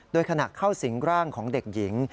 โดยขณะเข้าสิงร่างของเด็กหญิง